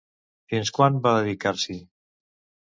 Fins quan va dedicar-s'hi?